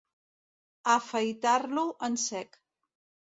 Afaitar-lo en sec.